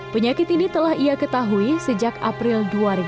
penyakit ini telah ia ketahui sejak april dua ribu dua puluh